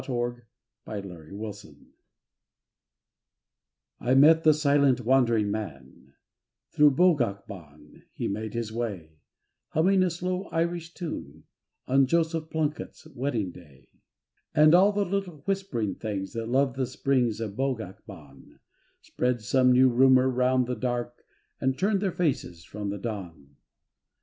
THRO' BOGAC BAN I MET the Silent Wandering Man, Thro' Bogac Ban he made his way, Humming a slow old Irish tune, On Joseph Plunkett's wedding day. And all the little whispering things That love the springs of Bogac Ban, Spread some new rumour round the dark And turned their faces from the dawn.